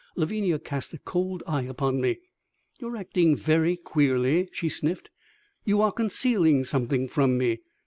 Lavinia cast a cold eye upon me. "You are acting very queerly," she sniffed. "You are concealing something from me."